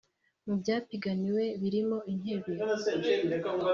Mu byapiganiwe birimo intebe